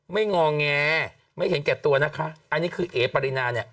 งอแงไม่เห็นแก่ตัวนะคะอันนี้คือเอ๋ปรินาเนี่ย